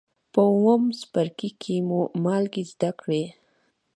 په اووم څپرکي کې مو مالګې زده کړې.